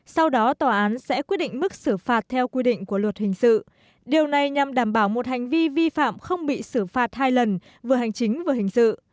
sau đó tòa án sẽ quyết định mức xử phạt theo quy định của luật hình sự điều này nhằm đảm bảo một hành vi vi phạm không bị xử phạt hai lần vừa hành chính vừa hình sự